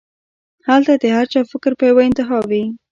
هلته د هر چا فکر پۀ يوه انتها وي